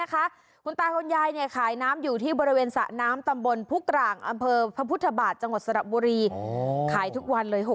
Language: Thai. ก็บางวันก็ขายไม่ได้บางวันก็ได้ร้อยสองร้อย